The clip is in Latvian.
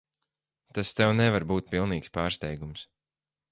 Tas tev nevar būt pilnīgs pārsteigums.